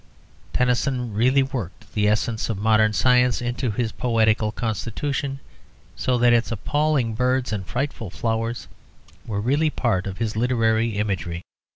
Tennyson really worked the essence of modern science into his poetical constitution, so that its appalling birds and frightful flowers were really part of his literary imagery.